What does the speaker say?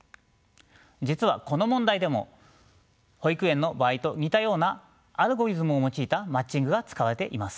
実はこの問題でも保育園の場合と似たようなアルゴリズムを用いたマッチングが使われています。